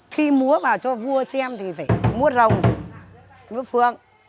khi múa vào cho vua xem thì phải múa rồng múa phượng